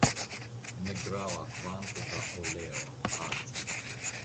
Negrava kvanto da oleo (Adze).